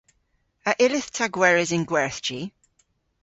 A yllydh ta gweres yn gwerthji?